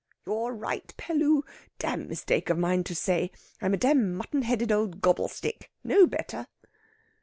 "You're right, Pelloo! Dam mistake of mine to say! I'm a dam mutton headed old gobblestick! No better!"